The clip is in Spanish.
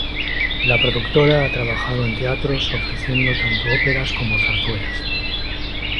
La productora ha trabajado en teatros ofreciendo tanto óperas como zarzuelas.